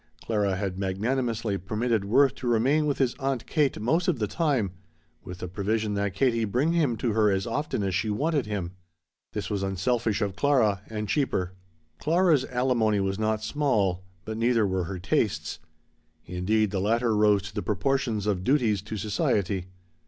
Clara had magnanimously permitted Worth to remain with his Aunt Kate most of the time, with the provision that Katie bring him to her as often as she wanted him. This was unselfish of Clara, and cheaper. Clara's alimony was not small, but neither were her tastes. Indeed the latter rose to the proportions of duties to society.